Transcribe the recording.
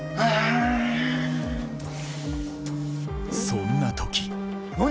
そんな時何？